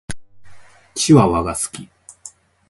チワワが好き。